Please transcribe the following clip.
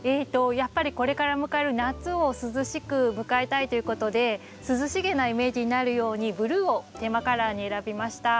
やっぱりこれから迎える夏を涼しく迎えたいということで涼しげなイメージになるようにブルーをテーマカラーに選びました。